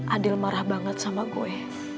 adil marah banget sama gue